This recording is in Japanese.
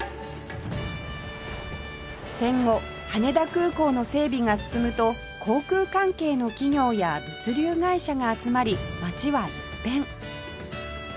戦後羽田空港の整備が進むと航空関係の企業や物流会社が集まり街は一変